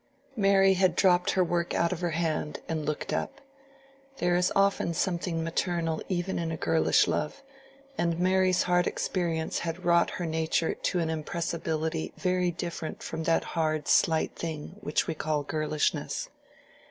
Mary had dropped her work out of her hand and looked up. There is often something maternal even in a girlish love, and Mary's hard experience had wrought her nature to an impressibility very different from that hard slight thing which we call girlishness.